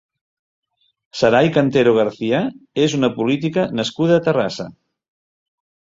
Saray Cantero García és una política nascuda a Terrassa.